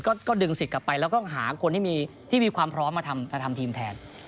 ก็ดึงสิทธิ์กลับไปแล้วก็หาคนที่มีความพร้อมมาทำทีมแทน